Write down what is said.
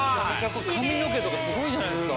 髪の毛とかすごいじゃないですか！